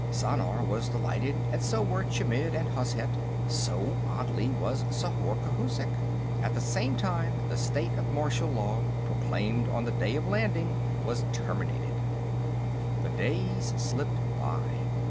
Zhannar was delighted, and so were Chmidd and Hozhet. So, oddly, was Zhorzh Khouzhik. At the same time, the state of martial law proclaimed on the day of the landing was terminated. The days slipped by.